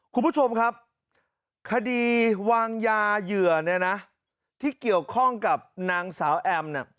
คุณผู้ชมครับคดีวางยาเหยื่อที่เกี่ยวข้องกับนางสาวแอม